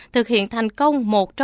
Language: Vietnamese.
thực hiện thành công một trong bảy bước